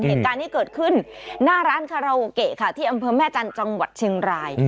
เหตุการณ์ที่เกิดขึ้นหน้าร้านคาราโอเกะค่ะที่อำเภอแม่จันทร์จังหวัดเชียงราย